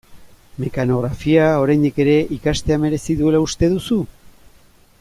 Mekanografia, oraindik ere, ikastea merezi duela uste duzu?